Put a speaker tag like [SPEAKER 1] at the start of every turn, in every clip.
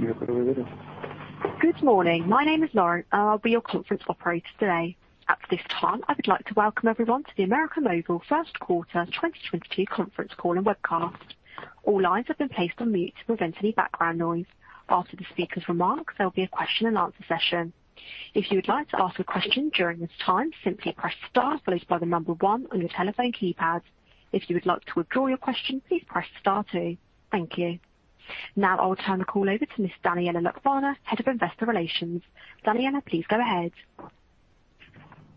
[SPEAKER 1] Good morning. My name is Lauren, and I'll be your conference operator today. At this time, I would like to welcome everyone to the América Móvil First Quarter 2022 conference call and webcast. All lines have been placed on mute to prevent any background noise. After the speaker's remarks, there'll be a question and answer session. If you would like to ask a question during this time, simply press star followed by the number one on your telephone keypad. If you would like to withdraw your question, please press star two. Thank you. Now I'll turn the call over to Miss Daniela Lecuona, Head of Investor Relations. Daniela, please go ahead.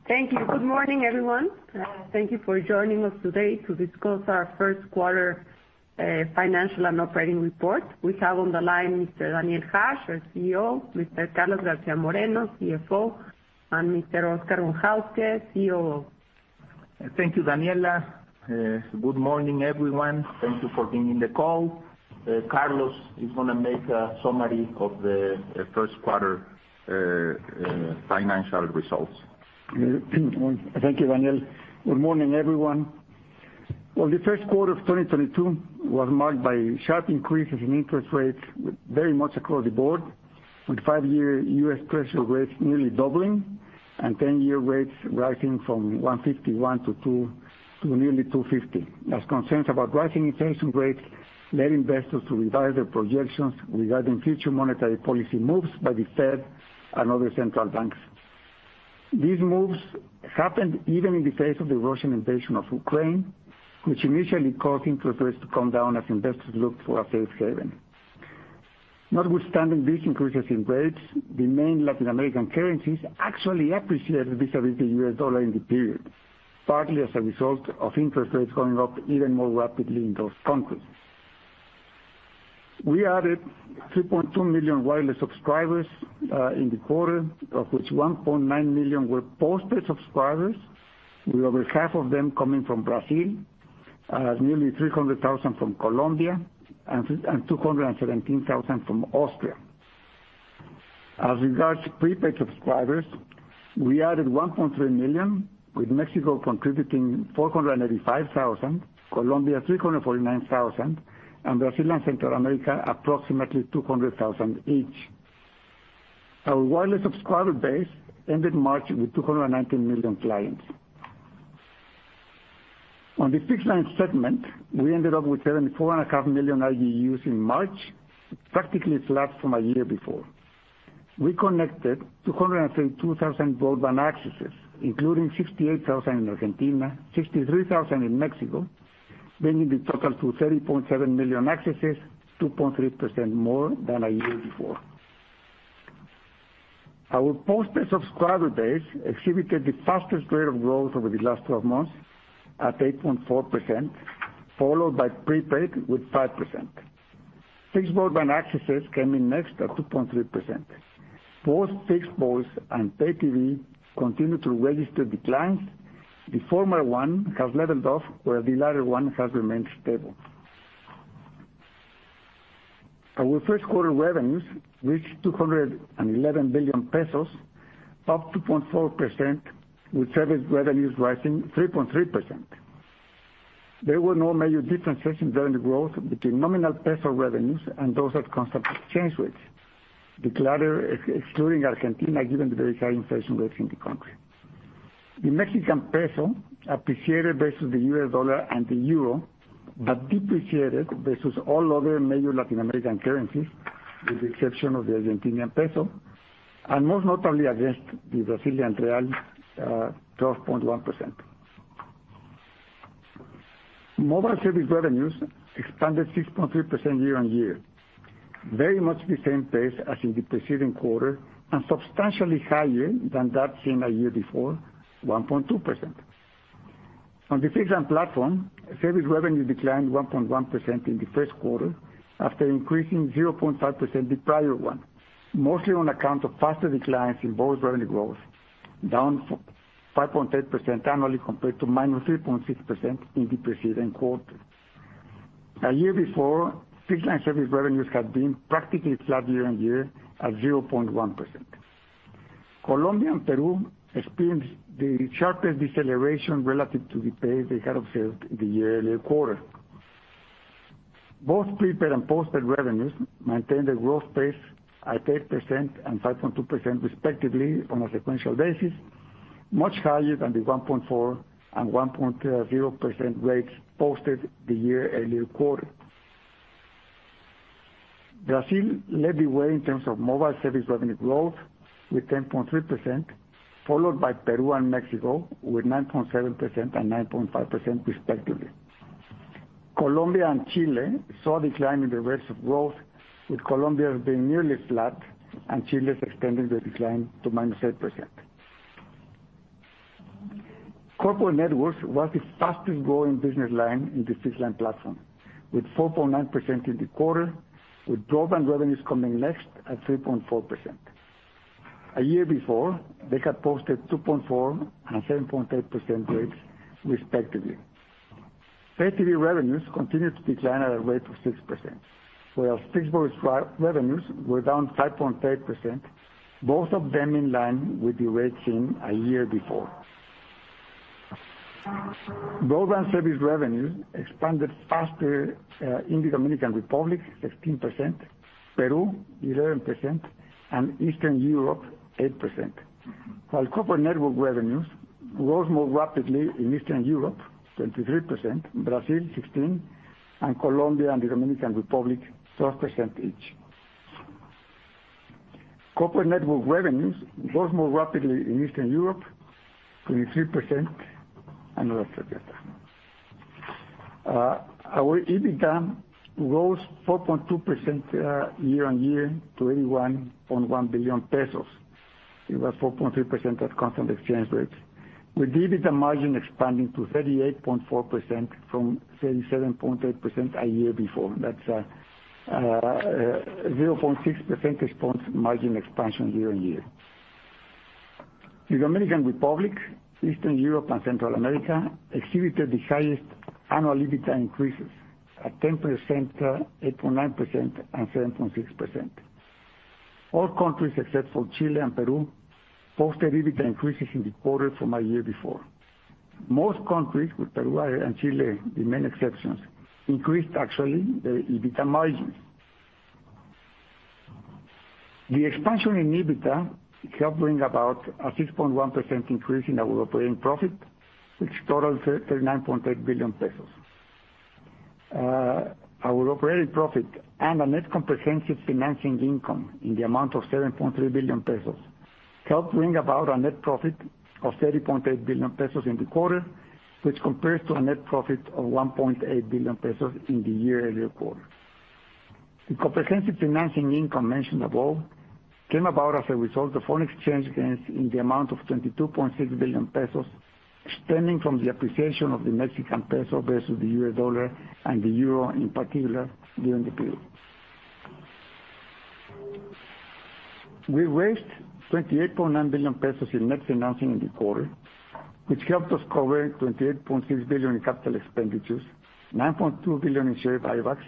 [SPEAKER 2] Thank you. Good morning, everyone. Thank you for joining us today to discuss our first quarter financial and operating report. We have on the line Mr. Daniel Hajj, our CEO, Mr. Carlos Garcia Moreno, CFO, and Mr. Óscar Von Hauske, COO.
[SPEAKER 3] Thank you, Daniela. Good morning, everyone. Thank you for being in the call. Carlos is gonna make a summary of the first quarter financial results.
[SPEAKER 4] Thank you, Daniel. Good morning, everyone. Well, the first quarter of 2022 was marked by sharp increases in interest rates very much across the board, with five-year U.S. Treasury rates nearly doubling and 10-year rates rising from 1.51% to 2%, to nearly 2.50%. Concerns about rising inflation rates led investors to revise their projections regarding future monetary policy moves by the Fed and other central banks. These moves happened even in the face of the Russian invasion of Ukraine, which initially caused interest rates to come down as investors looked for a safe haven. Notwithstanding these increases in rates, the main Latin American currencies actually appreciated vis-à-vis the U.S. dollar in the period, partly as a result of interest rates going up even more rapidly in those countries. We added 3.2 million wireless subscribers in the quarter, of which 1.9 million were postpaid subscribers, with over half of them coming from Brazil, nearly 300,000 from Colombia and 217,000 from Austria. As regards prepaid subscribers, we added 1.3 million, with Mexico contributing 485,000, Colombia 349,000, and Brazil and Central America approximately 200,000 each. Our wireless subscriber base ended March with 219 million clients. On the fixed line segment, we ended up with 74.5 million RGUs in March, practically flat from a year before. We connected 232,000 broadband accesses, including 68,000 in Argentina, 63,000 in Mexico, bringing the total to 30.7 million accesses, 2.3% more than a year before. Our postpaid subscriber base exhibited the fastest rate of growth over the last 12 months at 8.4%, followed by prepaid with 5%. Fixed broadband accesses came in next at 2.3%. Both fixed voice and pay TV continued to register declines. The former one has leveled off, whereas the latter one has remained stable. Our first quarter revenues reached 211 billion pesos, up 2.4%, with service revenues rising 3.3%. There were no major differences in revenue growth between nominal peso revenues and those at constant exchange rates, the latter excluding Argentina, given the very high inflation rates in the country. The Mexican peso appreciated versus the U.S. dollar and the euro, but depreciated versus all other major Latin American currencies, with the exception of the Argentinian peso, and most notably against the Brazilian real, 12.1%. Mobile service revenues expanded 6.3% year-over-year, very much the same pace as in the preceding quarter and substantially higher than that seen a year before, 1.2%. On the fixed-line platform, service revenue declined 1.1% in the first quarter after increasing 0.5% the prior one, mostly on account of faster declines in both, revenue growth down 5.8% annually compared to -3.6% in the preceding quarter. A year before, fixed-line service revenues had been practically flat year-on-year at 0.1%. Colombia and Peru experienced the sharpest deceleration relative to the pace they had observed the year-earlier quarter. Both prepaid and postpaid revenues maintained a growth pace at 8% and 5.2% respectively on a sequential basis, much higher than the 1.4% and 1.0% rates posted the year-earlier quarter. Brazil led the way in terms of mobile service revenue growth with 10.3%, followed by Peru and Mexico with 9.7% and 9.5% respectively. Colombia and Chile saw a decline in the rates of growth, with Colombia being nearly flat and Chile extending their decline to -8%. Corporate Networks was the fastest growing business line in the fixed line platform, with 4.9% in the quarter, with broadband revenues coming next at 3.4%. A year before, they had posted 2.4% and 7.8% rates respectively. Pay TV revenues continued to decline at a rate of 6%, whereas fixed voice revenues were down 5.3%, both of them in line with the rate seen a year before. Broadband service revenue expanded faster in the Dominican Republic, 16%; Peru, 11%; and Eastern Europe, 8%. While Corporate Networks revenues rose more rapidly in Eastern Europe, 23%; Brazil, 16%; and Colombia and the Dominican Republic, 12% each. Our EBITDA rose 4.2% year-on-year to 81.1 billion pesos. It was 4.3% at constant exchange rate, with EBITDA margin expanding to 38.4% from 37.8% a year before. That's 0.6% margin expansion year-on-year. The Dominican Republic, Eastern Europe and Central America exhibited the highest annual EBITDA increases at 10%, 8.9%, and 7.6%. All countries except for Chile and Peru posted EBITDA increases in the quarter from a year before. Most countries, with Peru and Chile the main exceptions, increased actually the EBITDA margin. The expansion in EBITDA helped bring about a 6.1% increase in our operating profit, which totaled 39.8 billion pesos. Our operating profit and a net comprehensive financing income in the amount of 7.3 billion pesos helped bring about our net profit of 30.8 billion pesos in the quarter, which compares to a net profit of 1.8 billion pesos in the year earlier quarter. The comprehensive financing income mentioned above came about as a result of foreign exchange gains in the amount of 22.6 billion pesos, extending from the appreciation of the Mexican peso versus the U.S. dollar and the euro, in particular, during the period. We raised 28.9 billion pesos in net financing in the quarter, which helped us cover 28.6 billion in capital expenditures, 9.2 billion in share buybacks,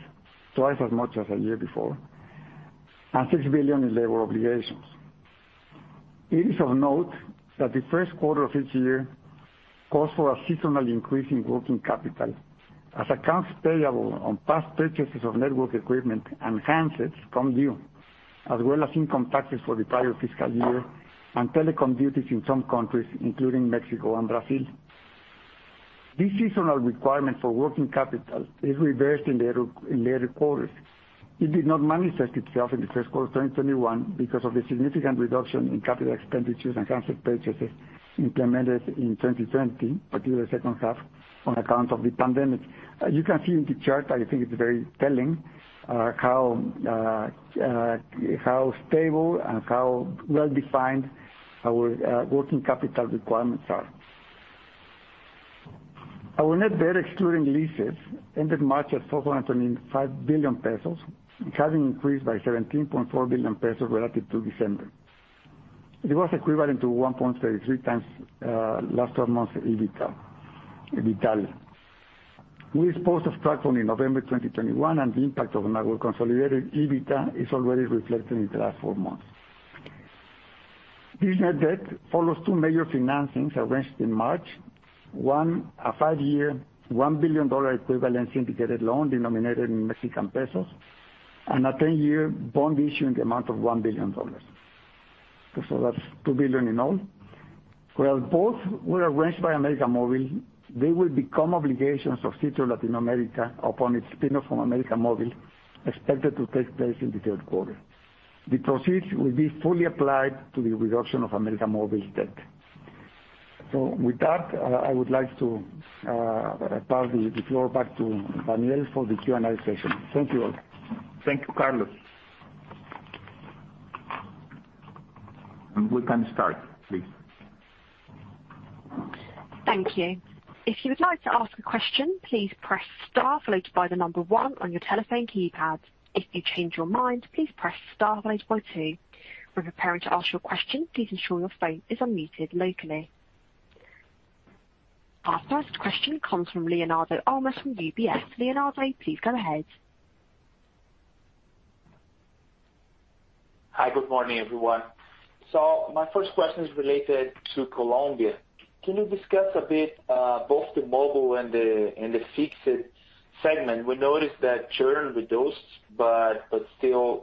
[SPEAKER 4] twice as much as the year before, and 6 billion in labor obligations. It is of note that the first quarter of each year calls for a seasonal increase in working capital as accounts payable on past purchases of network equipment and handsets come due, as well as income taxes for the prior fiscal year and telecom duties in some countries, including Mexico and Brazil. This seasonal requirement for working capital is reversed in later quarters. It did not manifest itself in the first quarter of 2021 because of the significant reduction in capital expenditures and handset purchases implemented in 2020, particularly the second half, on account of the pandemic. You can see in the chart. I think it's very telling how stable and how well-defined our working capital requirements are. Our net debt excluding leases ended March at 4.25 billion pesos, having increased by 17.4 billion pesos relative to December. It was equivalent to 1.33x last 12 months EBITDA. We disclosed a structure in November 2021, and the impact on consolidated EBITDA is already reflected in the last four months. This net debt follows two major financings arranged in March. One, a five-year, $1 billion equivalent syndicated loan denominated in Mexican pesos, and a 10-year bond issue in the amount of $1 billion. That's $2 billion in all. While both were arranged by América Móvil, they will become obligations of Sitios Latinoamérica upon its spinoff from América Móvil, expected to take place in the third quarter. The proceeds will be fully applied to the reduction of América Móvil's debt. With that, I would like to pass the floor back to Daniel for the Q&A session. Thank you all.
[SPEAKER 3] Thank you, Carlos. We can start, please.
[SPEAKER 1] Thank you. If you would like to ask a question, please press star followed by the number one on your telephone keypad. If you change your mind, please press star followed by two. When preparing to ask your question, please ensure your phone is unmuted locally. Our first question comes from Leonardo Olmos from UBS. Leonardo, please go ahead.
[SPEAKER 5] Hi. Good morning, everyone. My first question is related to Colombia. Can you discuss a bit both the mobile and the fixed segment? We noticed that churn reduced, but still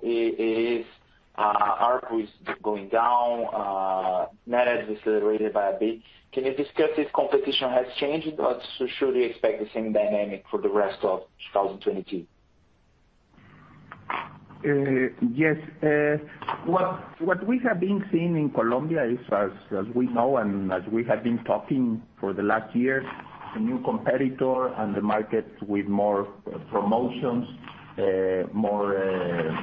[SPEAKER 5] ARPU is going down, net add has decelerated a bit. Can you discuss if competition has changed, or should we expect the same dynamic for the rest of 2022?
[SPEAKER 3] Yes. What we have been seeing in Colombia is, as we know and as we have been talking for the last year, a new competitor in the market with more promotions, more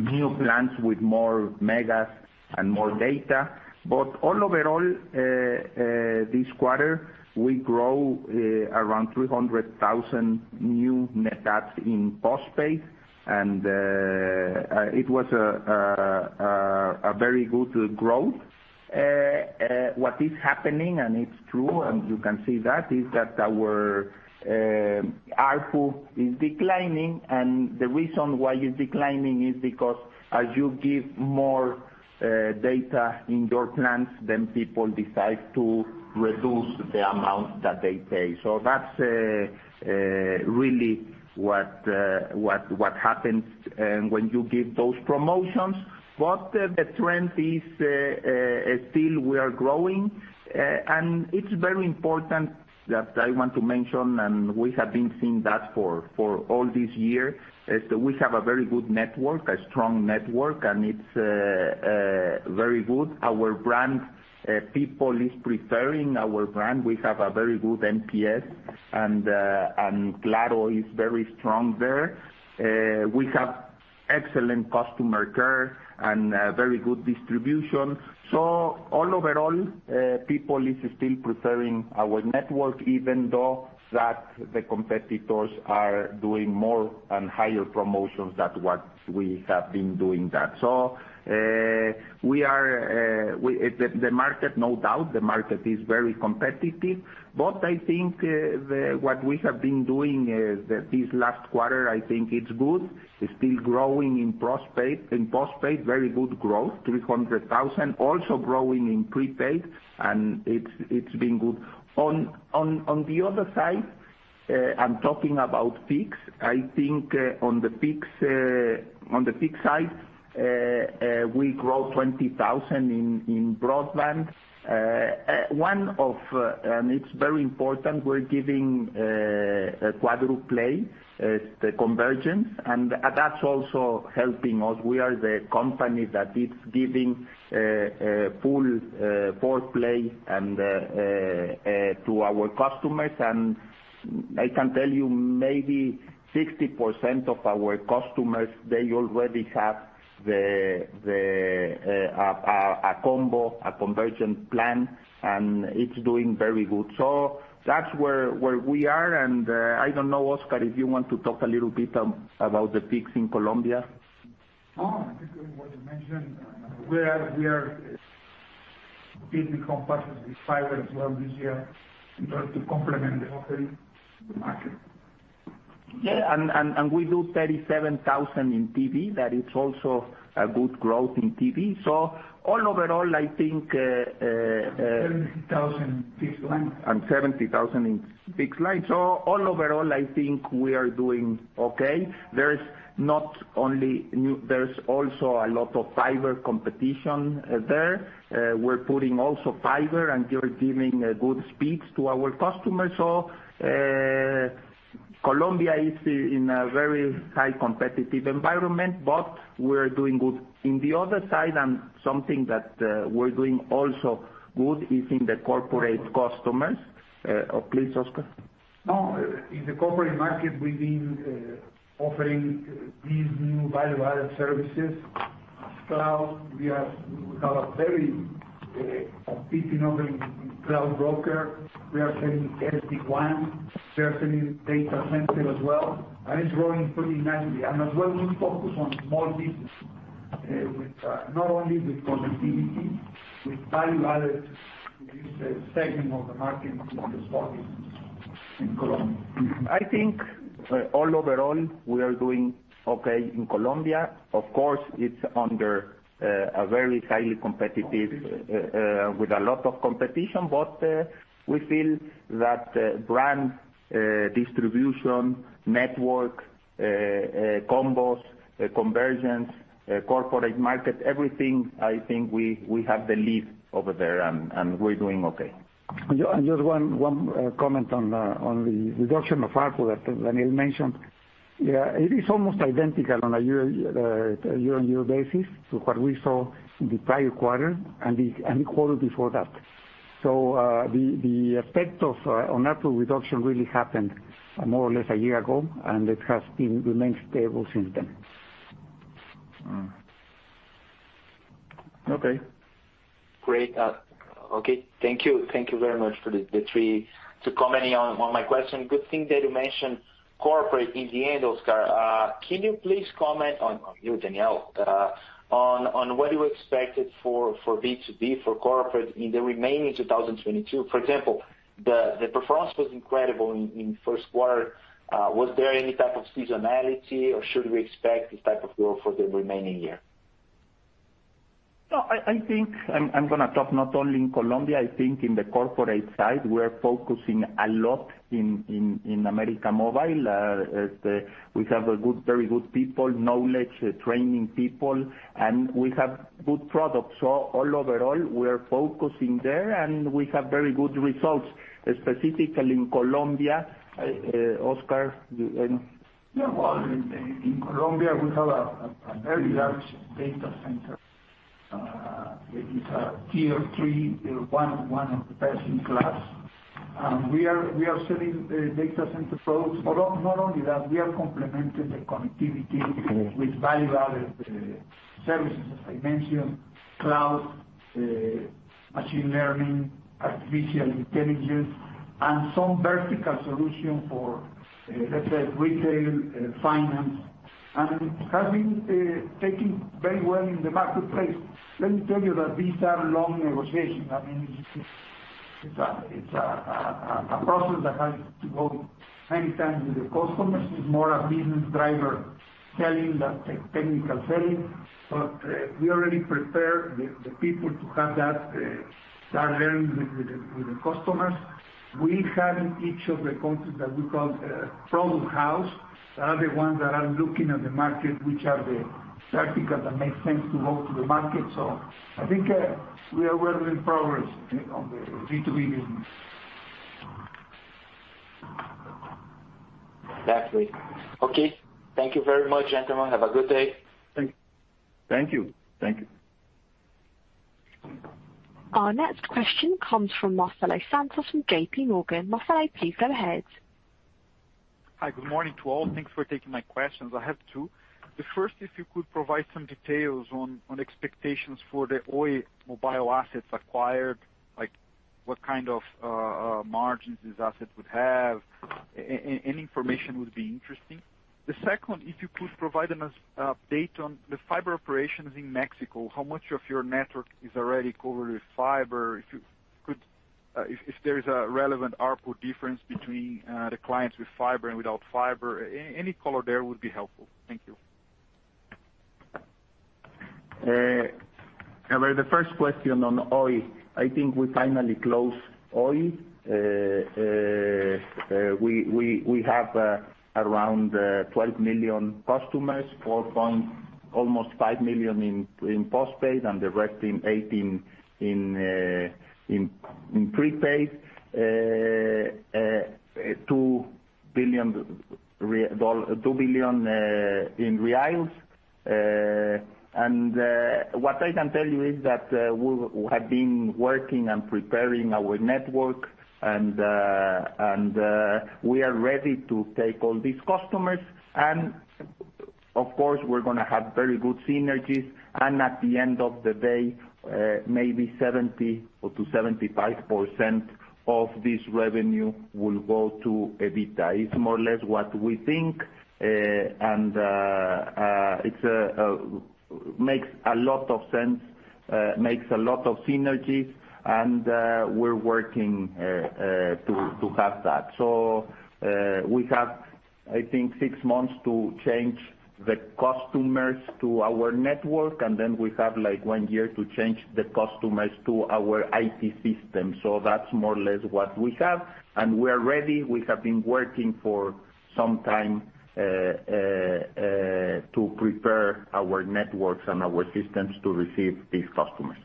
[SPEAKER 3] new plans with more megas and more data. Overall, this quarter, we grow around 300,000 new net adds in postpaid, and it was a very good growth. What is happening, and it's true, and you can see that, is that our ARPU is declining. The reason why it's declining is because as you give more data in your plans, then people decide to reduce the amount that they pay. That's really what happens when you give those promotions. The trend is still we are growing. It's very important. That I want to mention, and we have been seeing that for all this year, is that we have a very good network, a strong network, and it's very good. Our brand, people is preferring our brand. We have a very good NPS and Claro is very strong there. We have excellent customer care and very good distribution. Overall, people is still preferring our network, even though the competitors are doing more and higher promotions than what we have been doing that. The market, no doubt, is very competitive, but I think what we have been doing this last quarter, I think it's good. It's still growing in postpaid, very good growth, 300,000. Also growing in prepaid, and it's been good. On the other side, I'm talking about fixed. I think on the fixed side we grow 20,000 in broadband. It's very important, we're giving a quadruple play, the convergence. That's also helping us. We are the company that is giving full four play to our customers. I can tell you maybe 60% of our customers, they already have a combo, a convergent plan, and it's doing very good. That's where we are. I don't know, Oscar, if you want to talk a little bit about the fixed in Colombia.
[SPEAKER 6] No, I think what you mentioned, we are building capacity, fiber as well this year in order to complement the offering to the market.
[SPEAKER 3] Yeah, and we do 37,000 in TV. That is also a good growth in TV. All overall, I think.
[SPEAKER 6] 70,000 in fixed line.
[SPEAKER 3] 70,000 in fixed line. All overall, I think we are doing okay. There is not only new, there is also a lot of fiber competition there. We're putting also fiber and we're giving good speeds to our customers. Colombia is in a very high competitive environment, but we're doing good. In the other side, and something that, we're doing also good is in the corporate customers. Please, Oscar.
[SPEAKER 6] No. In the corporate market, we've been offering these new value-added services. Cloud, we have a very competitive offering in cloud broker. We are selling SD-WAN, certainly data center as well, and it's growing pretty nicely. As well, we focus on small business, with not only with connectivity, with value-added in this segment of the market, which is growing in Colombia.
[SPEAKER 3] I think all overall, we are doing okay in Colombia. Of course, it's under with a lot of competition, but we feel that brand, distribution, network, combos, convergence, corporate market, everything, I think we have the lead over there and we're doing okay.
[SPEAKER 4] Just one comment on the reduction of ARPU that Daniel mentioned. Yeah, it is almost identical on a year-on-year basis to what we saw in the prior quarter and the quarter before that. The effect on ARPU reduction really happened more or less a year ago, and it has remained stable since then.
[SPEAKER 5] Mm-hmm. Okay. Great. Okay. Thank you very much for commenting on my question. Good thing that you mentioned Corporate in the end, Oscar. Can you please comment, Daniel, on what you expected for B2B, for Corporate in the remaining 2022? For example, the performance was incredible in first quarter. Was there any type of seasonality or should we expect this type of growth for the remaining year?
[SPEAKER 3] No, I think I'm gonna talk not only in Colombia. I think in the corporate side, we are focusing a lot in América Móvil. We have very good people, knowledgeable, trained people, and we have good products. Overall, we are focusing there, and we have very good results, specifically in Colombia. Oscar, do you want to?
[SPEAKER 6] Yeah. Well, in Colombia, we have a very large data center, which is a Tier III, one of the best in class. We are selling data center products. Not only that, we are complementing the connectivity with value-added services, as I mentioned, cloud, machine learning, artificial intelligence, and some vertical solution for, let's say, retail and finance. It has been taking very well in the marketplace. Let me tell you that these are long negotiations. I mean, it's a process that has to go many times with the customers. It's more a business driver selling than technical selling. We already prepare the people to have that learning with the customers. We have in each of the countries that we call product house. They are the ones that are looking at the market, which are the verticals that make sense to go to the market. I think, we are well in progress on the B2B business.
[SPEAKER 5] Exactly. Okay. Thank you very much, gentlemen. Have a good day.
[SPEAKER 6] Thank you.
[SPEAKER 1] Our next question comes from Marcelo Santos from JPMorgan. Marcelo, please go ahead.
[SPEAKER 7] Hi, good morning to all. Thanks for taking my questions. I have two. The first, if you could provide some details on expectations for the Oi mobile assets acquired, like what kind of margins these assets would have. Any information would be interesting. The second, if you could provide an update on the fiber operations in Mexico, how much of your network is already covered with fiber? If you could, if there is a relevant ARPU difference between the clients with fiber and without fiber. Any color there would be helpful. Thank you.
[SPEAKER 3] The first question on Oi. I think we finally closed Oi. We have around 12 million customers, almost 5 million in postpaid and the rest in prepaid. BRL 2 billion. What I can tell you is that we have been working and preparing our network and we are ready to take all these customers. Of course, we're gonna have very good synergies. At the end of the day, maybe 70%-75% of this revenue will go to EBITDA. It's more or less what we think. It makes a lot of sense, makes a lot of synergies, and we're working to have that. We have, I think, six months to change the customers to our network, and then we have, like, one year to change the customers to our IT system. That's more or less what we have. We are ready. We have been working for some time to prepare our networks and our systems to receive these customers.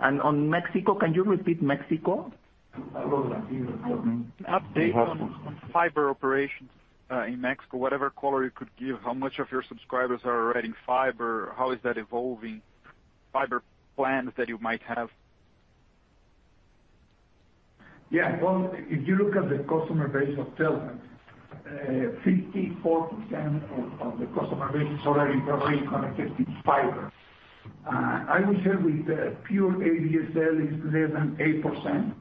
[SPEAKER 3] On Mexico, can you repeat Mexico?
[SPEAKER 7] An update on fiber operations, in Mexico, whatever color you could give, how much of your subscribers are already in fiber? How is that evolving? Fiber plans that you might have.
[SPEAKER 6] Yeah. Well, if you look at the customer base of Telmex, 54% of the customer base is already connected with fiber. I would say with pure ADSL is less than 8%.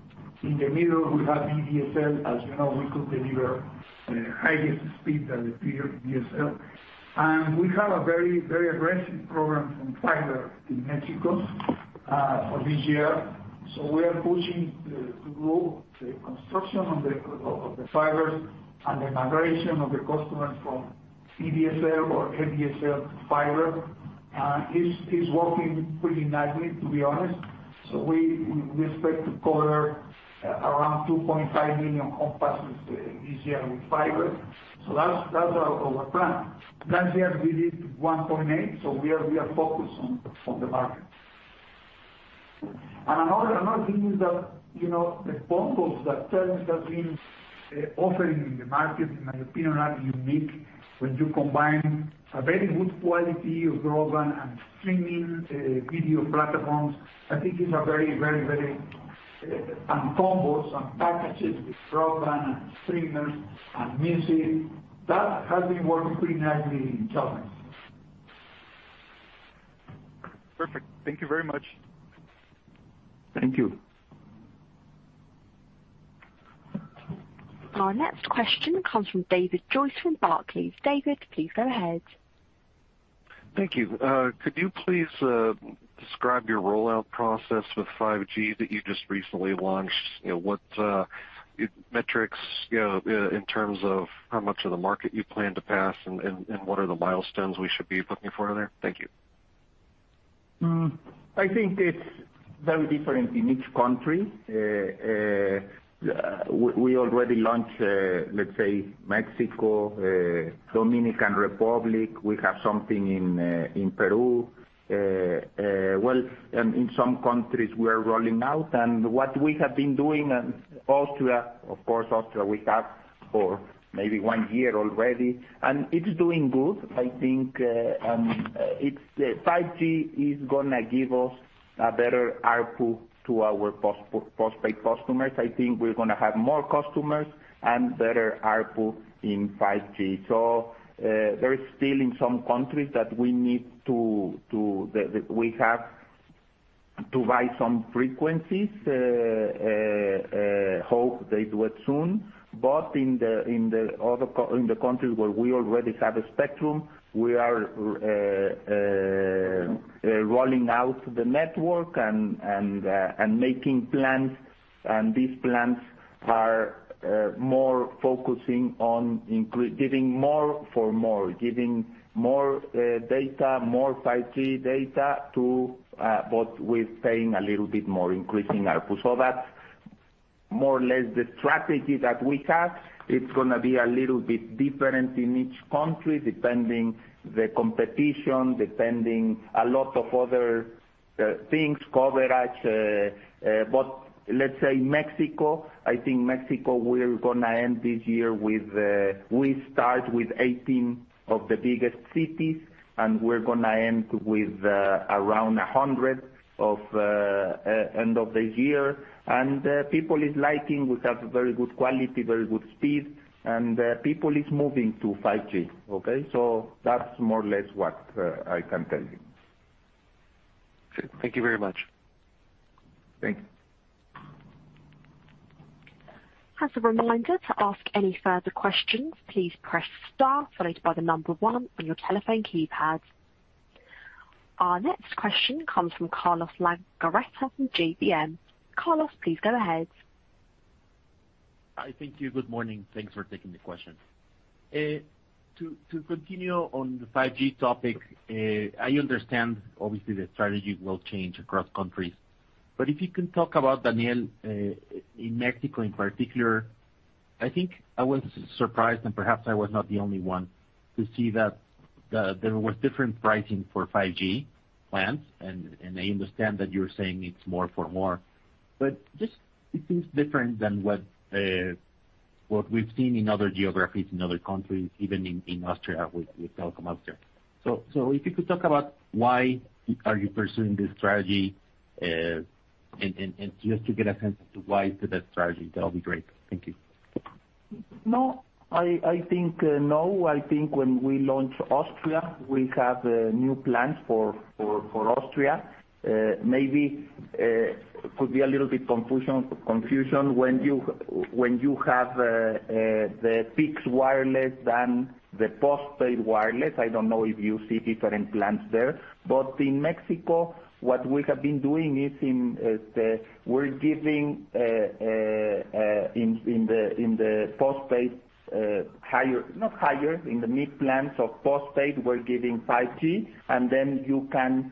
[SPEAKER 6] In the middle, we have VDSL. As you know, we could deliver highest speed than the pure DSL. We have a very aggressive program from fiber in Mexico for this year. We are pushing to grow the construction of the fibers and the migration of the customers from VDSL or ADSL to fiber. It is working pretty nicely, to be honest. We expect to cover around 2.5 million homes passed this year with fiber. That's our plan. Last year we did 1.8 million, so we are focused on the market. Another thing is that, you know, the bundles that Telmex has been offering in the market, in my opinion, are unique. When you combine a very good quality of broadband and streaming video platforms and combos and packages with broadband and streaming and music that has been working pretty nicely in Telmex.
[SPEAKER 7] Perfect. Thank you very much.
[SPEAKER 3] Thank you.
[SPEAKER 1] Our next question comes from David Joyce from Barclays. David, please go ahead.
[SPEAKER 8] Thank you. Could you please describe your rollout process with 5G that you just recently launched? You know, what metrics, you know, in terms of how much of the market you plan to pass and what are the milestones we should be looking for there? Thank you.
[SPEAKER 3] I think it's very different in each country. We already launched, let's say, Mexico, Dominican Republic. We have something in Peru. Well, in some countries we are rolling out. What we have been doing, and Austria, of course, we have for maybe one year already. It's doing good. I think, 5G is gonna give us a better ARPU to our postpaid customers. I think we're gonna have more customers and better ARPU in 5G. There is still in some countries that we have to buy some frequencies. Hope they do it soon. In the other countries where we already have a spectrum, we are rolling out the network and making plans. These plans are more focusing on giving more for more. Giving more data, more 5G data but with paying a little bit more, increasing ARPU. That's more or less the strategy that we have. It's gonna be a little bit different in each country, depending on the competition, depending on a lot of other things, coverage, but let's say Mexico. I think Mexico, we're gonna end this year. We start with 18 of the biggest cities, and we're gonna end with around 100 end of the year. People is liking. We have very good quality, very good speed, and people is moving to 5G. Okay, so that's more or less what I can tell you.
[SPEAKER 8] Thank you very much.
[SPEAKER 3] Thanks.
[SPEAKER 1] As a reminder, to ask any further questions, please press star followed by the number one on your telephone keypad. Our next question comes from Carlos de Legarreta from GBM. Carlos, please go ahead.
[SPEAKER 9] Hi. Thank you. Good morning. Thanks for taking the question. To continue on the 5G topic, I understand obviously the strategy will change across countries, but if you can talk about Daniel in Mexico in particular, I think I was surprised, and perhaps I was not the only one, to see that there was different pricing for 5G plans. I understand that you're saying it's more for more, but just it seems different than what we've seen in other geographies, in other countries, even in Austria with Telekom Austria. If you could talk about why you are pursuing this strategy, and just to get a sense as to why to that strategy, that'll be great. Thank you.
[SPEAKER 3] No, I think no. I think when we launch Austria, we have new plans for Austria. Maybe could be a little bit confusion when you have the fixed wireless and the postpaid wireless. I don't know if you see different plans there, but in Mexico, what we have been doing is in the postpaid, in the mid plans of postpaid, we're giving 5G, and then you can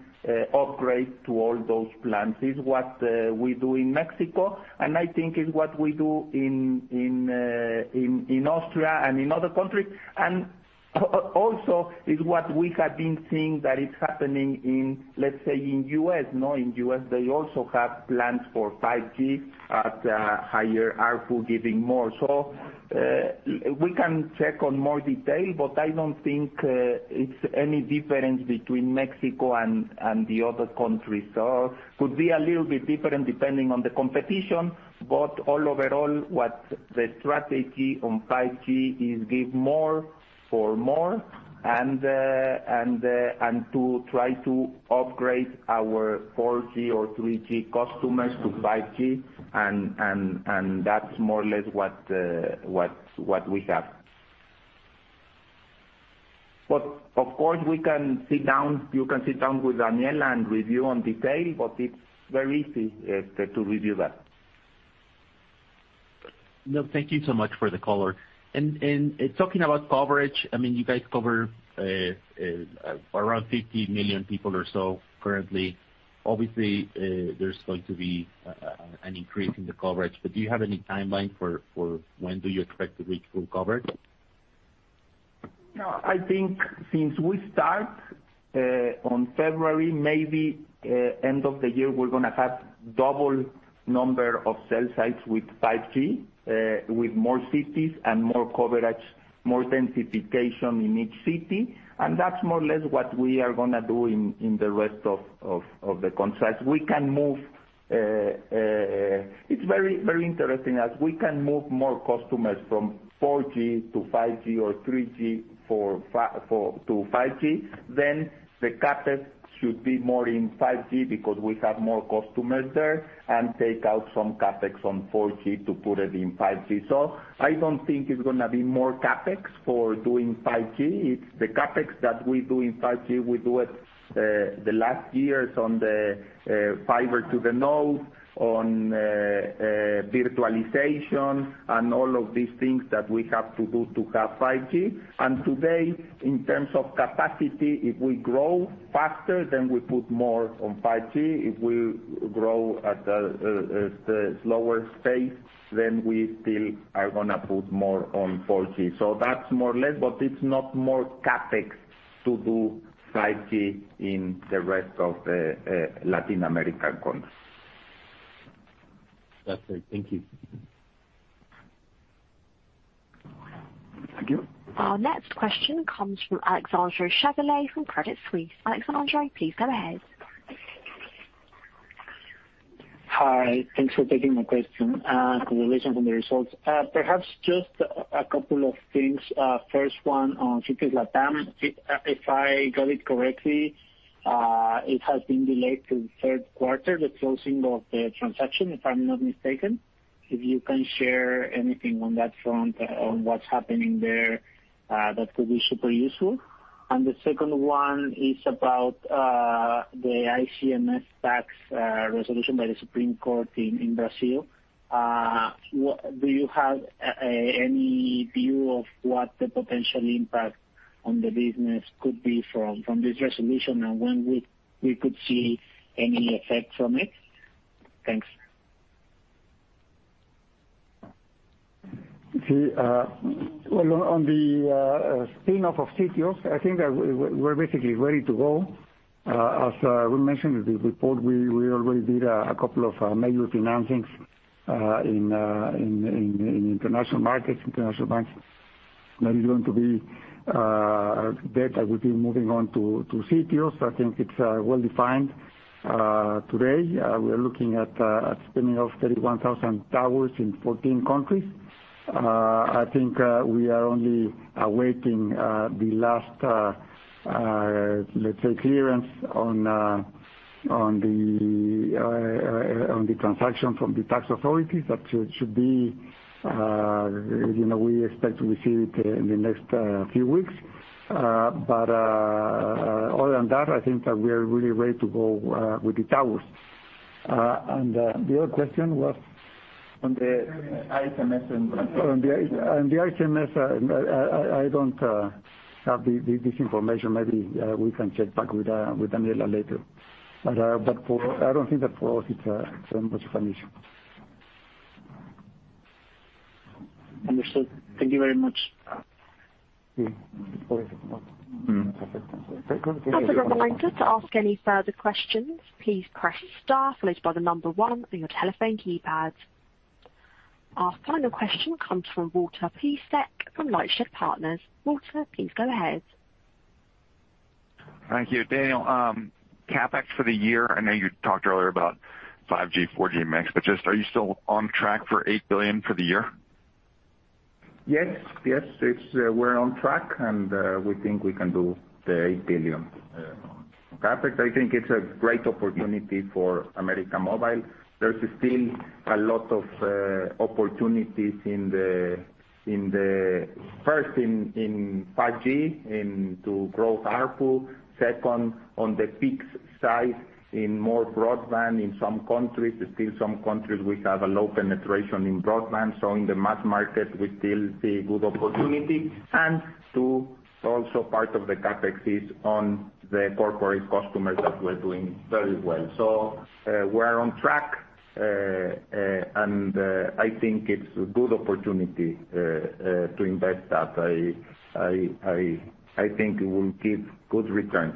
[SPEAKER 3] upgrade to all those plans. It's what we do in Mexico, and I think it's what we do in Austria and in other countries. Also it's what we have been seeing that is happening in, let's say in U.S. No, in U.S., they also have plans for 5G at higher ARPU giving more. We can check on more detail, but I don't think it's any difference between Mexico and the other countries. Could be a little bit different depending on the competition, but all overall what the strategy on 5G is give more for more and to try to upgrade our 4G or 3G customers to 5G, and that's more or less what we have. But of course, we can sit down, you can sit down with Daniel and review on detail, but it's very easy to review that.
[SPEAKER 9] No, thank you so much for the color. Talking about coverage, I mean, you guys cover around 50 million people or so currently. Obviously, there's going to be an increase in the coverage. Do you have any timeline for when do you expect to reach full coverage?
[SPEAKER 3] No. I think since we start on February, maybe end of the year, we're gonna have double number of cell sites with 5G with more cities and more coverage, more densification in each city. That's more or less what we are gonna do in the rest of the countries. It's very, very interesting as we can move more customers from 4G to 5G or 3G, 4, 5, 4G to 5G, then the CapEx should be more in 5G because we have more customers there and take out some CapEx on 4G to put it in 5G. I don't think it's gonna be more CapEx for doing 5G. It's the CapEx that we do in 5G, we do it, the last years on the, fiber to the node, on, virtualization and all of these things that we have to do to have 5G. Today, in terms of capacity, if we grow faster, then we put more on 5G. If we grow at a slower pace, then we still are gonna put more on 4G. That's more or less, but it's not more CapEx to do 5G in the rest of the Latin America countries.
[SPEAKER 9] That's it. Thank you.
[SPEAKER 3] Thank you.
[SPEAKER 1] Our next question comes from Alejandro Chavelas from Credit Suisse. Alexandre, please go ahead.
[SPEAKER 10] Hi. Thanks for taking my question. Congratulations on the results. Perhaps just a couple of things. First one on Sitios Latam. If I got it correctly, it has been delayed to the third quarter, the closing of the transaction, if I'm not mistaken. If you can share anything on that front on what's happening there, that could be super useful. The second one is about the ICMS tax resolution by the Supreme Court in Brazil. Do you have any view of what the potential impact on the business could be from this resolution, and when would we could see any effect from it? Thanks.
[SPEAKER 4] Well, on the spin-off of Sitios, I think that we're basically ready to go. As we mentioned in the report, we already did a couple of major financings in international markets, international banks. Now it's going to be that I will be moving on to Sitios. I think it's well-defined. Today we are looking at spinning off 31,000 towers in 14 countries. I think we are only awaiting the last, let's say, clearance on the transaction from the tax authorities. That should be, you know, we expect to receive it in the next few weeks. Other than that, I think that we are really ready to go with the towers. The other question was?
[SPEAKER 10] On the ICMS.
[SPEAKER 4] On the ICMS, I don't have this information. Maybe we can check back with Daniela later. I don't think that for us it's so much of an issue.
[SPEAKER 10] Understood. Thank you very much.
[SPEAKER 4] Yeah. Mm-hmm.
[SPEAKER 1] As a reminder, to ask any further questions, please press star followed by the number one on your telephone keypads. Our final question comes from Walter Piecyk from LightShed Partners. Walter, please go ahead.
[SPEAKER 11] Thank you. Daniel, CapEx for the year, I know you talked earlier about 5G/4G mix, but just are you still on track for 8 billion for the year?
[SPEAKER 4] Yes. Yes. It's we're on track, and we think we can do the 8 billion. CapEx, I think it's a great opportunity for América Móvil. There's still a lot of opportunities. First, in 5G and to grow ARPU. Second, on the fixed side, in more broadband in some countries. There's still some countries which have a low penetration in broadband. In the mass market we still see good opportunity. Also part of the CapEx is on the corporate customers that we're doing very well. We're on track. I think it's a good opportunity to invest that. I think it will give good returns.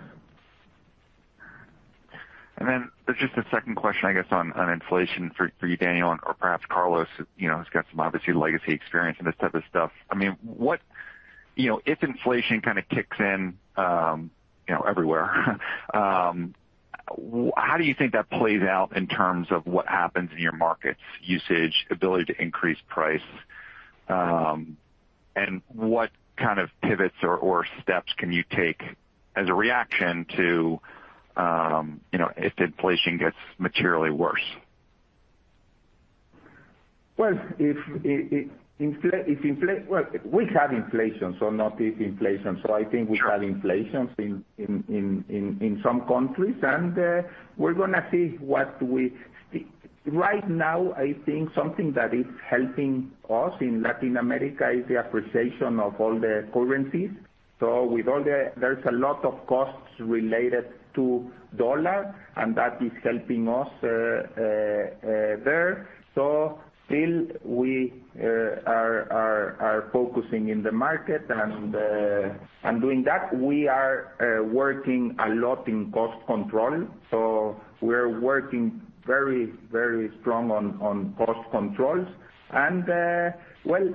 [SPEAKER 11] Then there's just a second question, I guess, on inflation for you, Daniel, and/or perhaps Carlos. You know, he's got some obviously legacy experience in this type of stuff. I mean, what. You know, if inflation kinda kicks in, you know, everywhere, how do you think that plays out in terms of what happens in your markets usage, ability to increase price? And what kind of pivots or steps can you take as a reaction to, you know, if inflation gets materially worse?
[SPEAKER 4] Well, we have inflation, so not if inflation.
[SPEAKER 11] Sure.
[SPEAKER 4] I think we have inflation in some countries. Right now, I think something that is helping us in Latin America is the appreciation of all the currencies. There's a lot of costs related to the dollar, and that is helping us there. We are focusing on the market and, doing that, we are working a lot in cost control. We're working very strong on cost controls. Well,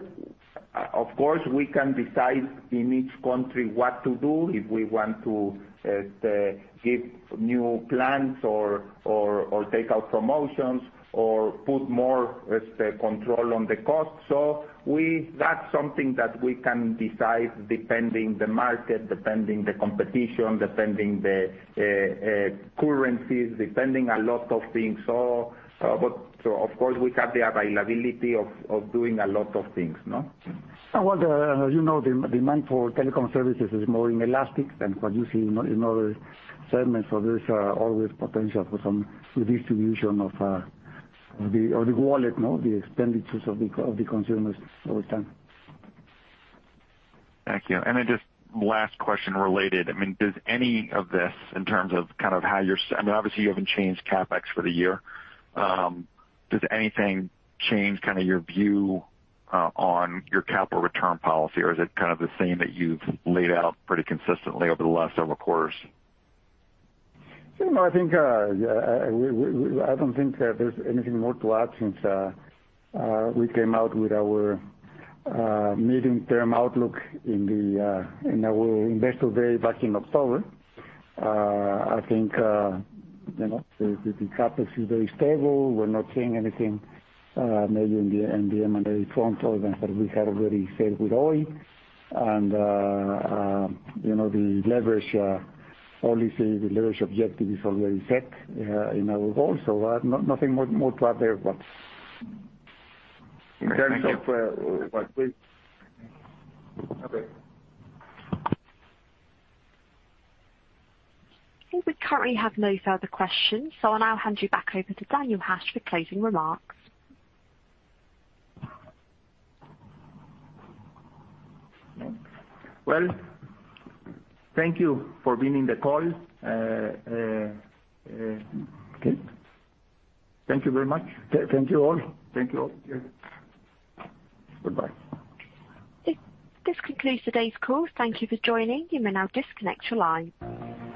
[SPEAKER 4] of course, we can decide in each country what to do, if we want to give new plans or take out promotions or put more, let's say, control on the cost. That's something that we can decide depending the market, depending the competition, depending the currencies, depending a lot of things. Of course, we have the availability of doing a lot of things, no?
[SPEAKER 3] Walter, you know, demand for telecom services is more inelastic than what you see in other segments. There's always potential for some redistribution of the wallet, no? The expenditures of the consumers over time.
[SPEAKER 11] Thank you. Just last question related. I mean, does any of this in terms of kind of how you're I mean, obviously you haven't changed CapEx for the year. Does anything change kind of your view on your capital return policy, or is it kind of the same that you've laid out pretty consistently over the last several quarters?
[SPEAKER 3] You know, I think I don't think that there's anything more to add since we came out with our medium-term outlook in our Investor Day back in October. I think you know, the CapEx is very stable. We're not seeing anything maybe in the M&A front other than what we had already said with Oi. You know, the leverage policy, the leverage objective is already set in our goal. Nothing more to add there, but.
[SPEAKER 11] Great. Thank you.
[SPEAKER 3] Okay.
[SPEAKER 1] I think we currently have no further questions, so I'll now hand you back over to Daniel Hajj for closing remarks.
[SPEAKER 3] Well, thank you for being in the call.
[SPEAKER 4] Okay. Thank you very much.
[SPEAKER 3] Thank you all.
[SPEAKER 4] Cheers.
[SPEAKER 3] Goodbye.
[SPEAKER 1] This concludes today's call. Thank you for joining. You may now disconnect your line.